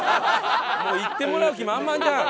行ってもらう気満々じゃん。